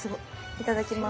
いただきます。